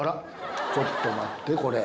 ちょっと待ってこれ。